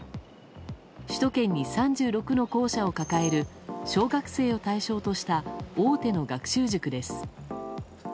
首都圏に３６の校舎を抱える小学生を対象とした大手の学習塾です。